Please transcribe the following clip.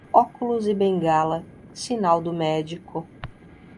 Óculos e bengala, sinal do médico.